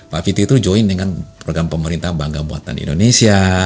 pak viti itu join dengan program pemerintah bangga buatan indonesia